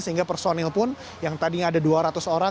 sehingga personil pun yang tadinya ada dua ratus orang